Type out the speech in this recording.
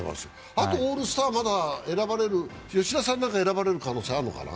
あと、オールスター選ばれる吉田さんなんか選ばれる可能性あるのかな？